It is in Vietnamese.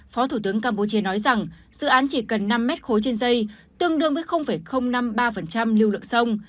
phó thủ tướng campuchia nói rằng dự án chỉ cần năm mét khối trên dây tương đương với năm mươi ba lưu lượng sông